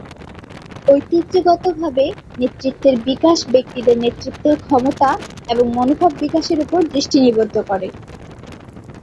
ঐতিহ্যগতভাবে, নেতৃত্বের বিকাশ ব্যক্তিদের নেতৃত্বের ক্ষমতা এবং মনোভাব বিকাশের উপর দৃষ্টি নিবদ্ধ করে।